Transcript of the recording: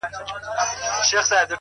هغه مه ښوروه ژوند راڅخـه اخلي ـ